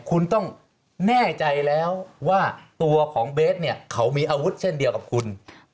คุณต้องแน่ใจแล้วว่าตัวของเบสเนี่ยเขามีอาวุธเช่นเดียวกับคุณ